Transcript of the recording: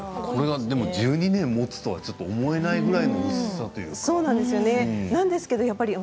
１２年もつと思えないぐらいの薄さ。